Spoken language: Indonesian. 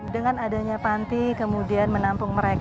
dengan adanya panti kemudian menampung mereka